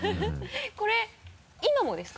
これ今もですか？